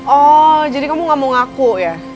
oh jadi kamu gak mau ngaku ya